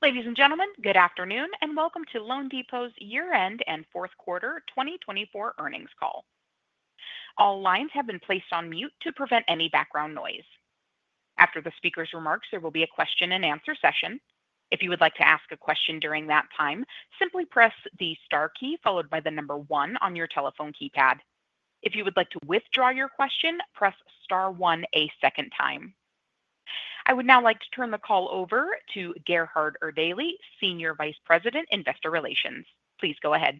Ladies and gentlemen, good afternoon and welcome to loanDepot's year-end and fourth quarter 2024 earnings call. All lines have been placed on mute to prevent any background noise. After the speaker's remarks, there will be a question-and-answer session. If you would like to ask a question during that time, simply press the star key followed by the number one on your telephone keypad. If you would like to withdraw your question, press star one a second time. I would now like to turn the call over to Gerhard Erdelji, Senior Vice President, Investor Relations. Please go ahead.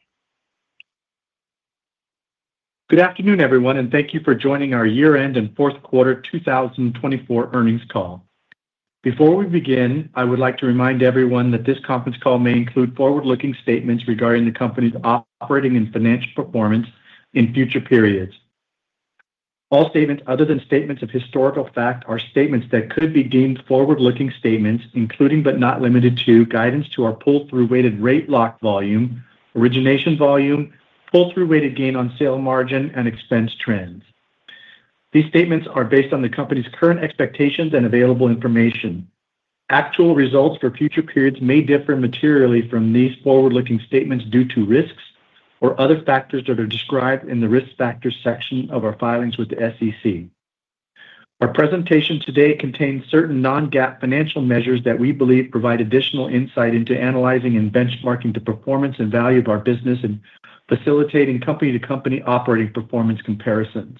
Good afternoon, everyone, and thank you for joining our year-end and fourth quarter 2024 earnings call. Before we begin, I would like to remind everyone that this conference call may include forward-looking statements regarding the company's operating and financial performance in future periods. All statements other than statements of historical fact are statements that could be deemed forward-looking statements, including but not limited to guidance to our pull-through weighted rate lock volume, origination volume, pull-through weighted gain on sale margin, and expense trends. These statements are based on the company's current expectations and available information. Actual results for future periods may differ materially from these forward-looking statements due to risks or other factors that are described in the risk factors section of our filings with the SEC. Our presentation today contains certain non-GAAP financial measures that we believe provide additional insight into analyzing and benchmarking the performance and value of our business and facilitating company-to-company operating performance comparisons.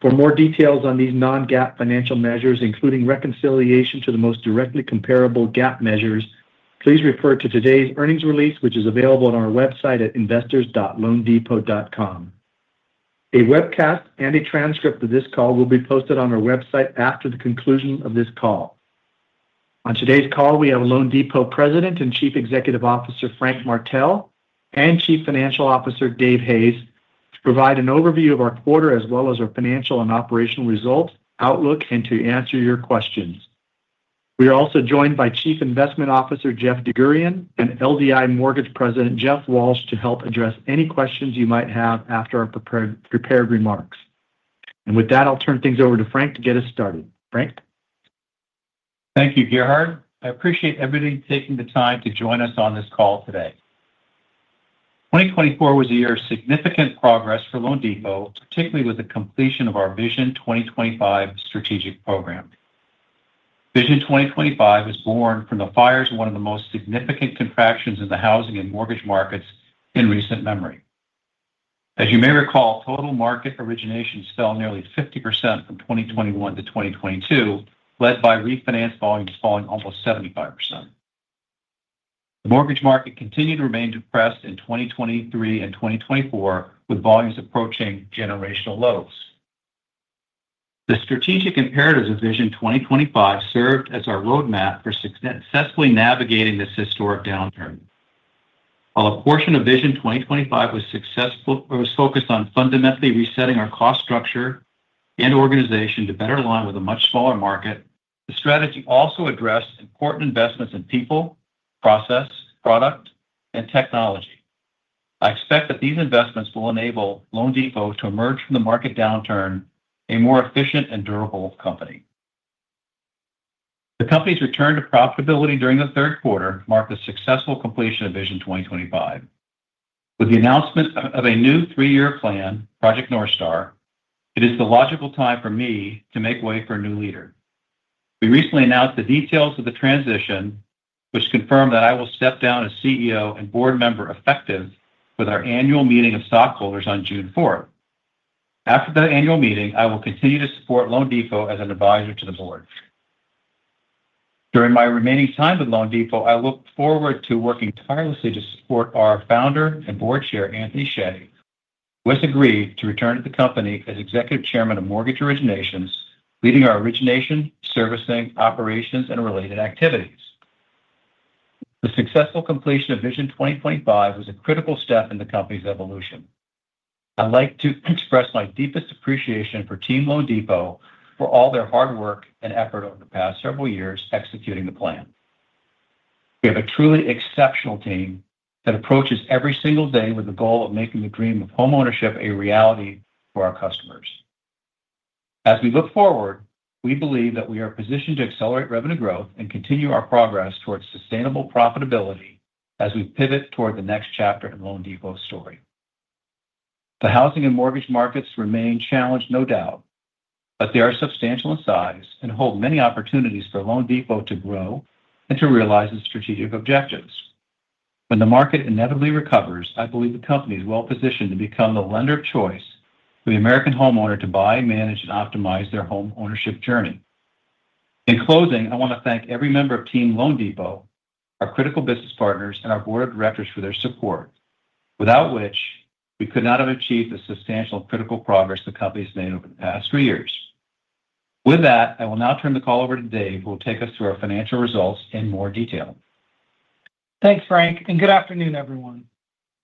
For more details on these non-GAAP financial measures, including reconciliation to the most directly comparable GAAP measures, please refer to today's earnings release, which is available on our website at investors.loandepot.com. A webcast and a transcript of this call will be posted on our website after the conclusion of this call. On today's call, we have loanDepot President and Chief Executive Officer Frank Martell and Chief Financial Officer Dave Hayes to provide an overview of our quarter as well as our financial and operational results, outlook, and to answer your questions. We are also joined by Chief Investment Officer Jeff DerGurahian and LDI Mortgage President Jeff Walsh to help address any questions you might have after our prepared remarks. With that, I'll turn things over to Frank to get us started. Frank. Thank you, Gerhard. I appreciate everybody taking the time to join us on this call today. 2024 was a year of significant progress for loanDepot, particularly with the completion of our Vision 2025 strategic program. Vision 2025 was born from the fires of one of the most significant contractions in the housing and mortgage markets in recent memory. As you may recall, total market origination fell nearly 50% from 2021 to 2022, led by refinance volumes falling almost 75%. The mortgage market continued to remain depressed in 2023 and 2024, with volumes approaching generational lows. The strategic imperatives of Vision 2025 served as our roadmap for successfully navigating this historic downturn. While a portion of Vision 2025 was successful, it was focused on fundamentally resetting our cost structure and organization to better align with a much smaller market. The strategy also addressed important investments in people, process, product, and technology. I expect that these investments will enable loanDepot to emerge from the market downturn a more efficient and durable company. The company's return to profitability during the third quarter marked the successful completion of Vision 2025. With the announcement of a new three-year plan, Project Northstar, it is the logical time for me to make way for a new leader. We recently announced the details of the transition, which confirmed that I will step down as CEO and board member effective with our annual meeting of stockholders on June 4th. After the annual meeting, I will continue to support loanDepot as an advisor to the board. During my remaining time with loanDepot, I look forward to working tirelessly to support our founder and board chair, Anthony Hsieh, who has agreed to return to the company as Executive Chairman of Mortgage Originations, leading our origination, servicing, operations, and related activities. The successful completion of Vision 2025 was a critical step in the company's evolution. I'd like to express my deepest appreciation for Team loanDepot for all their hard work and effort over the past several years executing the plan. We have a truly exceptional team that approaches every single day with the goal of making the dream of homeownership a reality for our customers. As we look forward, we believe that we are positioned to accelerate revenue growth and continue our progress towards sustainable profitability as we pivot toward the next chapter in loanDepot's story. The housing and mortgage markets remain challenged, no doubt, but they are substantial in size and hold many opportunities for loanDepot to grow and to realize its strategic objectives. When the market inevitably recovers, I believe the company is well positioned to become the lender of choice for the American homeowner to buy, manage, and optimize their homeownership journey. In closing, I want to thank every member of Team loanDepot, our critical business partners, and our board of directors for their support, without which we could not have achieved the substantial critical progress the company has made over the past three years. With that, I will now turn the call over to Dave, who will take us through our financial results in more detail. Thanks, Frank, and good afternoon, everyone.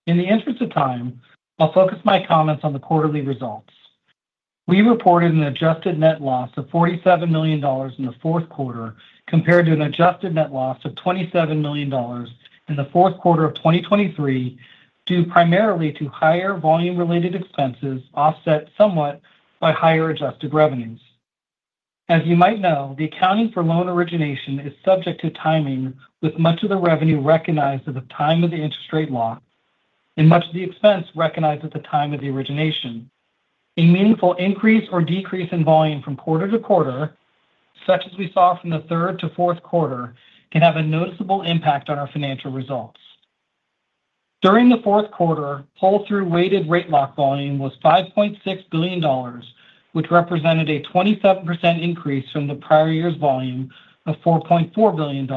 In the interest of time, I'll focus my comments on the quarterly results. We reported an adjusted net loss of $47 million in the fourth quarter compared to an adjusted net loss of $27 million in the fourth quarter of 2023 due primarily to higher volume-related expenses offset somewhat by higher adjusted revenues. As you might know, the accounting for loan origination is subject to timing, with much of the revenue recognized at the time of the interest rate lock and much of the expense recognized at the time of the origination. A meaningful increase or decrease in volume from quarter to quarter, such as we saw from the third to fourth quarter, can have a noticeable impact on our financial results. During the fourth quarter, pull-through weighted rate lock volume was $5.6 billion, which represented a 27% increase from the prior year's volume of $4.4 billion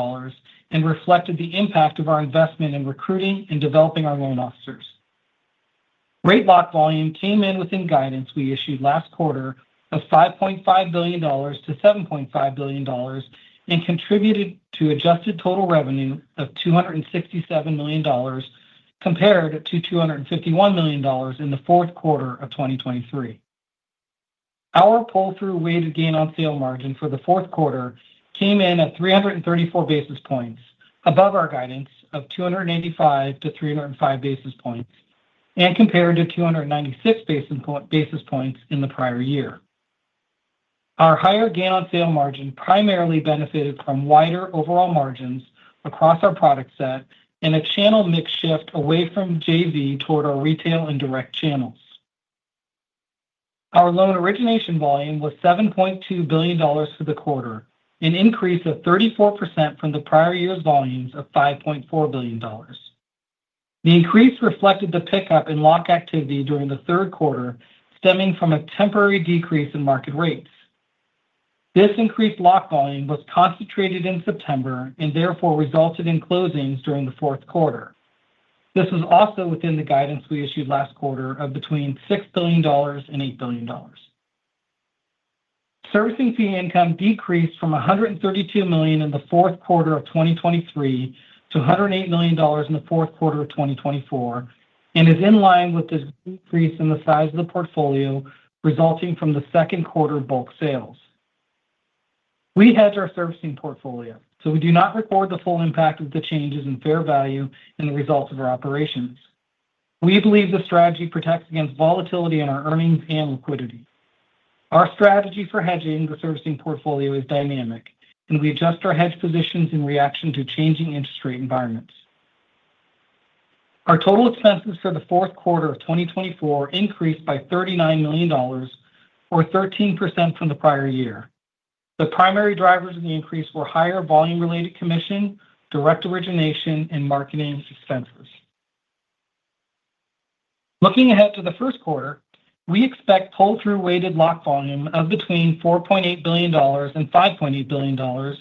and reflected the impact of our investment in recruiting and developing our loan officers. Rate lock volume came in within guidance we issued last quarter of $5.5 billion-$7.5 billion and contributed to adjusted total revenue of $267 million compared to $251 million in the fourth quarter of 2023. Our pull-through weighted gain on sale margin for the fourth quarter came in at 334 basis points, above our guidance of 285 basis points-305 basis points and compared to 296 basis points in the prior year. Our higher gain on sale margin primarily benefited from wider overall margins across our product set and a channel mix shift away from JV toward our retail and direct channels. Our loan origination volume was $7.2 billion for the quarter, an increase of 34% from the prior year's volumes of $5.4 billion. The increase reflected the pickup in lock activity during the third quarter, stemming from a temporary decrease in market rates. This increased lock volume was concentrated in September and therefore resulted in closings during the fourth quarter. This was also within the guidance we issued last quarter of between $6 billion and $8 billion. Servicing fee income decreased from $132 million in the fourth quarter of 2023 to $108 million in the fourth quarter of 2024 and is in line with this decrease in the size of the portfolio resulting from the second quarter bulk sales. We hedge our servicing portfolio, so we do not record the full impact of the changes in fair value and the results of our operations. We believe the strategy protects against volatility in our earnings and liquidity. Our strategy for hedging the servicing portfolio is dynamic, and we adjust our hedge positions in reaction to changing interest rate environments. Our total expenses for the fourth quarter of 2024 increased by $39 million, or 13% from the prior year. The primary drivers of the increase were higher volume-related commission, direct origination, and marketing expenses. Looking ahead to the first quarter, we expect pull-through weighted lock volume of between $4.8 billion and $5.8 billion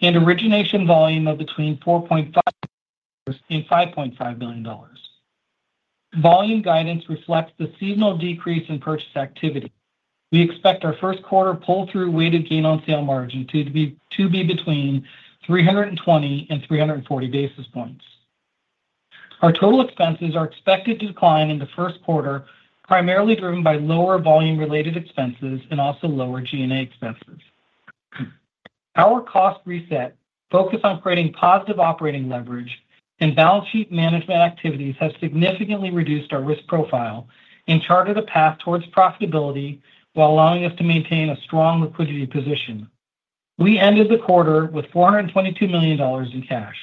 and origination volume of between $4.5 billion and $5.5 billion. Volume guidance reflects the seasonal decrease in purchase activity. We expect our first quarter pull-through weighted gain on sale margin to be between 320 and 340 basis points. Our total expenses are expected to decline in the first quarter, primarily driven by lower volume-related expenses and also lower G&A expenses. Our cost reset, focus on creating positive operating leverage and balance sheet management activities have significantly reduced our risk profile and chartered a path towards profitability while allowing us to maintain a strong liquidity position. We ended the quarter with $422 million in cash.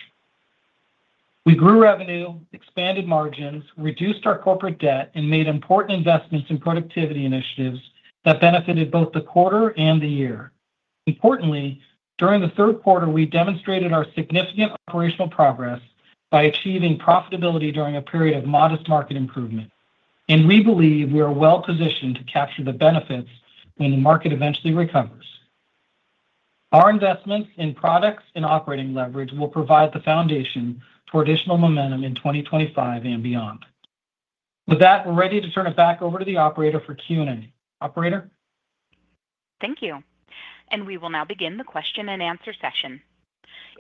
We grew revenue, expanded margins, reduced our corporate debt, and made important investments in productivity initiatives that benefited both the quarter and the year. Importantly, during the third quarter, we demonstrated our significant operational progress by achieving profitability during a period of modest market improvement, and we believe we are well positioned to capture the benefits when the market eventually recovers. Our investments in products and operating leverage will provide the foundation for additional momentum in 2025 and beyond. With that, we're ready to turn it back over to the operator for Q&A. Operator. Thank you. We will now begin the question and answer session.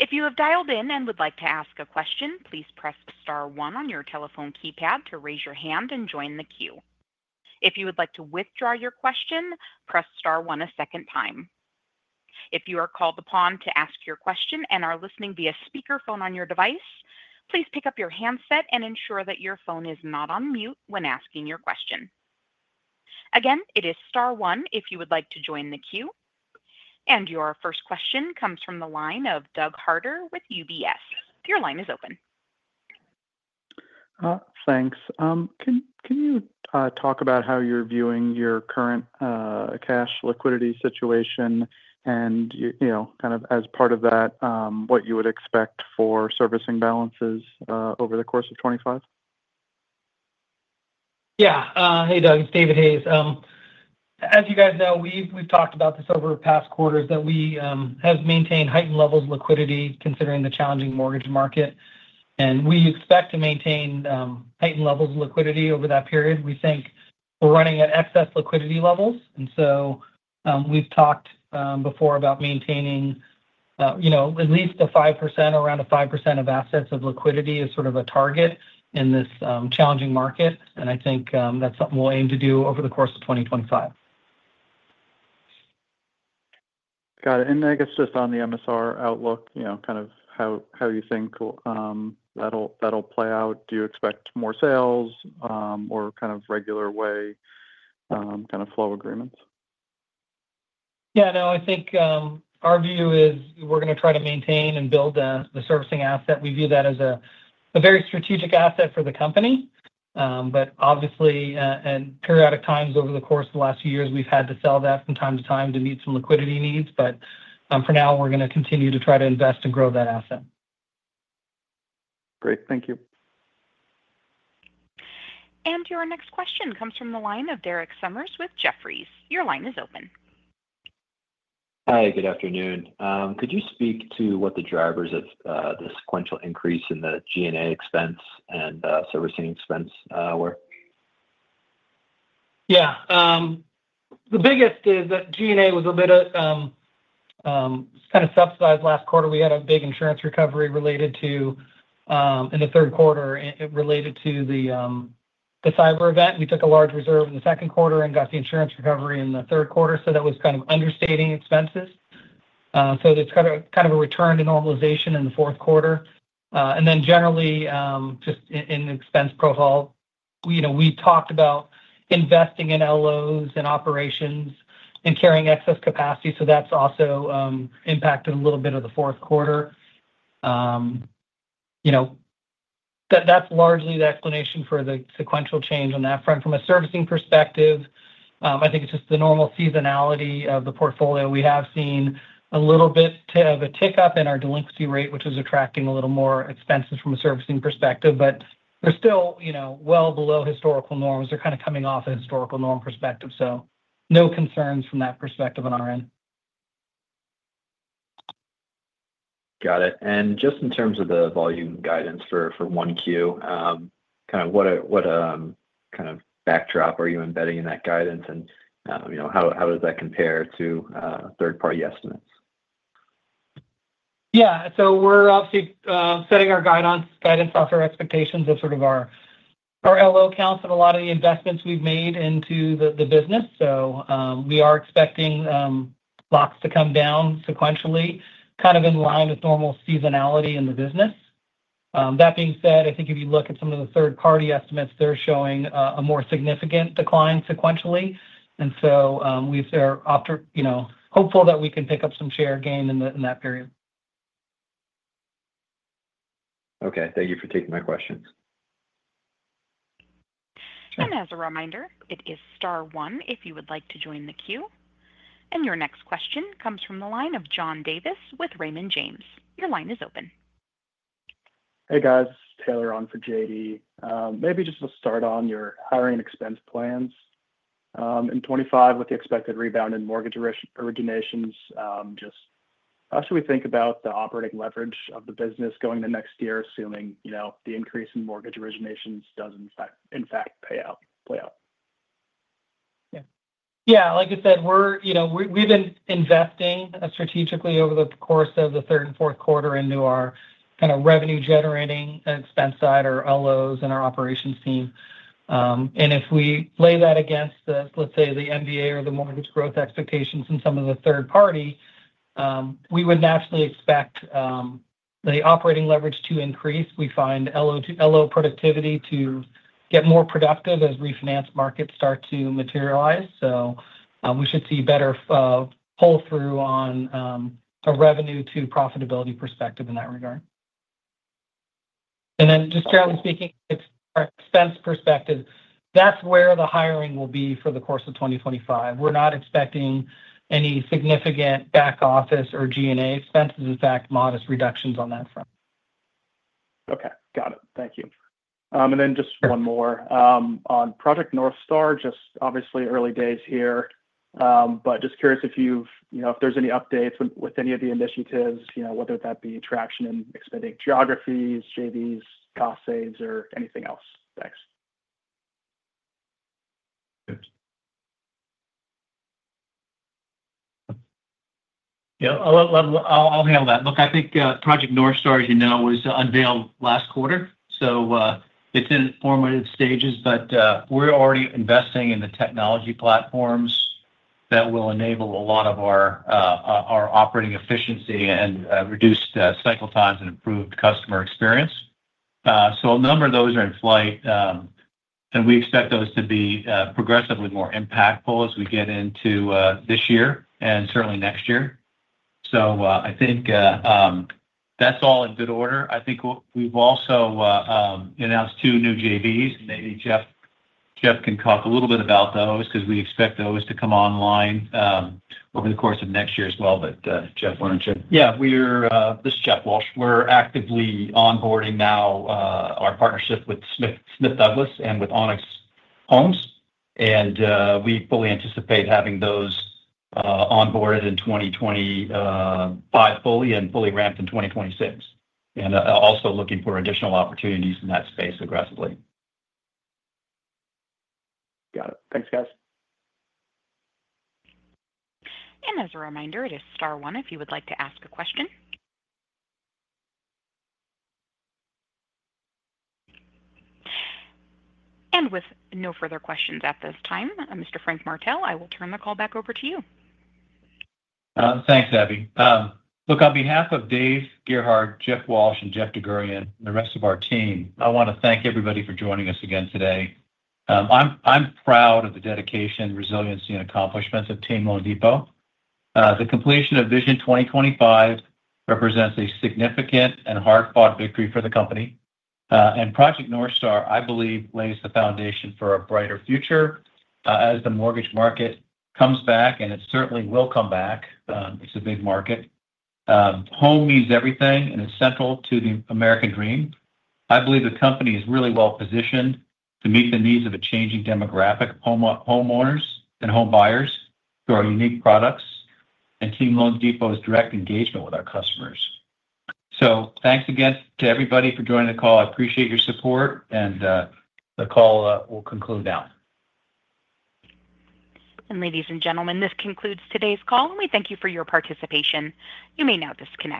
If you have dialed in and would like to ask a question, please press star one on your telephone keypad to raise your hand and join the queue. If you would like to withdraw your question, press star one a second time. If you are called upon to ask your question and are listening via speakerphone on your device, please pick up your handset and ensure that your phone is not on mute when asking your question. Again, it is star one if you would like to join the queue. Your first question comes from the line of Doug Harter with UBS. Your line is open. Thanks. Can you talk about how you're viewing your current cash liquidity situation and kind of as part of that, what you would expect for servicing balances over the course of 2025? Yeah. Hey, Doug. It's Dave Hayes. As you guys know, we've talked about this over past quarters that we have maintained heightened levels of liquidity considering the challenging mortgage market. We expect to maintain heightened levels of liquidity over that period. We think we're running at excess liquidity levels. We've talked before about maintaining at least a 5%, around a 5% of assets of liquidity as sort of a target in this challenging market. I think that's something we'll aim to do over the course of 2025. Got it. I guess just on the MSR outlook, kind of how you think that'll play out. Do you expect more sales or kind of regular way kind of flow agreements? Yeah. No, I think our view is we're going to try to maintain and build the servicing asset. We view that as a very strategic asset for the company. Obviously, at periodic times over the course of the last few years, we've had to sell that from time to time to meet some liquidity needs. For now, we're going to continue to try to invest and grow that asset. Great. Thank you. Your next question comes from the line of Derek Sommers with Jefferies. Your line is open. Hi. Good afternoon. Could you speak to what the drivers of the sequential increase in the G&A expense and servicing expense were? Yeah. The biggest is that G&A was a bit of kind of subsidized last quarter. We had a big insurance recovery related to in the third quarter related to the cyber event. We took a large reserve in the second quarter and got the insurance recovery in the third quarter. That was kind of understating expenses. There is kind of a return to normalization in the fourth quarter. Generally, just in the expense profile, we talked about investing in LOs and operations and carrying excess capacity. That also impacted a little bit of the fourth quarter. That is largely the explanation for the sequential change on that front. From a servicing perspective, I think it is just the normal seasonality of the portfolio. We have seen a little bit of a tick up in our delinquency rate, which was attracting a little more expenses from a servicing perspective. We're still well below historical norms. We're kind of coming off a historical norm perspective. So no concerns from that perspective on our end. Got it. Just in terms of the volume guidance for 1Q, kind of what kind of backdrop are you embedding in that guidance? How does that compare to third-party estimates? Yeah. We are obviously setting our guidance off our expectations of sort of our LO counts of a lot of the investments we've made into the business. We are expecting lots to come down sequentially, kind of in line with normal seasonality in the business. That being said, I think if you look at some of the third-party estimates, they're showing a more significant decline sequentially. We are hopeful that we can pick up some share gain in that period. Okay. Thank you for taking my questions. As a reminder, it is star one if you would like to join the queue. Your next question comes from the line of John Davis with Raymond James. Your line is open. Hey, guys. Taylor on for JD. Maybe just to start on your hiring expense plans. In 2025, with the expected rebound in mortgage originations, just how should we think about the operating leverage of the business going into next year, assuming the increase in mortgage originations does, in fact, pay out? Yeah. Yeah. Like I said, we've been investing strategically over the course of the third and fourth quarter into our kind of revenue-generating expense side, our LOs, and our operations team. If we lay that against, let's say, the MBA or the mortgage growth expectations from some of the third party, we would naturally expect the operating leverage to increase. We find LO productivity to get more productive as refinance markets start to materialize. We should see better pull-through on a revenue-to-profitability perspective in that regard. Just generally speaking, our expense perspective, that's where the hiring will be for the course of 2025. We're not expecting any significant back office or G&A expenses. In fact, modest reductions on that front. Okay. Got it. Thank you. Just one more on Project Northstar, obviously early days here. Just curious if there's any updates with any of the initiatives, whether that be traction in expanding geographies, JVs, cost saves, or anything else. Thanks. Yeah. I'll handle that. Look, I think Project Northstar, as you know, was unveiled last quarter. It's in formative stages, but we're already investing in the technology platforms that will enable a lot of our operating efficiency and reduced cycle times and improved customer experience. A number of those are in flight, and we expect those to be progressively more impactful as we get into this year and certainly next year. I think that's all in good order. I think we've also announced two new JVs. Maybe Jeff can talk a little bit about those because we expect those to come online over the course of next year as well. Jeff, why don't you? Yeah. This is Jeff Walsh. We're actively onboarding now our partnership with Smith Douglas and with Onyx Homes. We fully anticipate having those onboarded in 2025 fully and fully ramped in 2026. We are also looking for additional opportunities in that space aggressively. Got it. Thanks, guys. As a reminder, it is star one if you would like to ask a question. With no further questions at this time, Mr. Frank Martell, I will turn the call back over to you. Thanks, Abby. Look, on behalf of Dave, Gerhard, Jeff Walsh, and Jeff DerGurahian, and the rest of our team, I want to thank everybody for joining us again today. I'm proud of the dedication, resiliency, and accomplishments of Team loanDepot. The completion of Vision 2025 represents a significant and hard-fought victory for the company. Project Northstar, I believe, lays the foundation for a brighter future as the mortgage market comes back, and it certainly will come back. It's a big market. Home means everything, and it's central to the American dream. I believe the company is really well positioned to meet the needs of a changing demographic of homeowners and home buyers for our unique products and Team loanDepot's direct engagement with our customers. Thanks again to everybody for joining the call. I appreciate your support, and the call will conclude now. Ladies and gentlemen, this concludes today's call, and we thank you for your participation. You may now disconnect.